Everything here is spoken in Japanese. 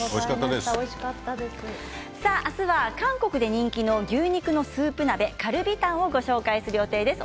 明日は韓国で人気の牛肉のスープ鍋カルビタンをご紹介する予定です。